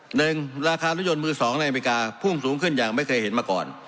หนึ่งราคารถยนต์มือสองในอเมริกาพุ่งสูงขึ้นอย่างไม่เคยเห็นมาก่อน